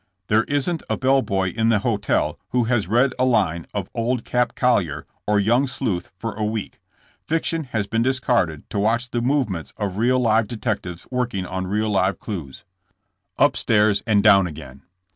There isn't a bell boy in the hotel who has read a line of '*01d Cap Collier" or *' Young Sleuth" for a week. Fiction has been discarded to watch the movements of real live detectives working on real live clues. th:^ i.e:eds HOI.D UP. 121 UP STAIRS AND DOWN AGAIN.